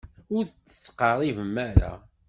Ur d-ttqerribem ara.